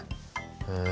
へえ。